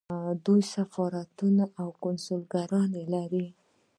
دوی سفارتونه او کونسلګرۍ لري.